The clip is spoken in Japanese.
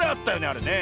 あれね。